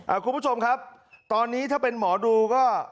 คุณผู้ชมครับตอนนี้ถ้าเป็นหมอดูก็